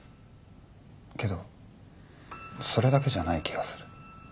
けどそれだけじゃない気がする。